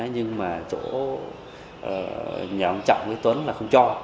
nhưng mà chỗ nhà ông trọng với tuấn là không cho